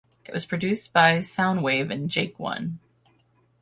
It was produced by Sounwave and Jake One.